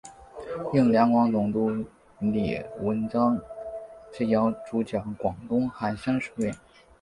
应两广总督李瀚章之邀主讲广东韩山书院。